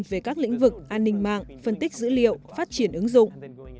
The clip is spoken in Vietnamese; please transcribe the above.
về các lĩnh vực an ninh mạng phân tích dữ liệu phát triển ứng dụng